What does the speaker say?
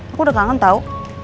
aku udah kangen tau